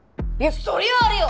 そりゃああれよ